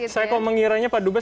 saya kok mengiranya pak dubes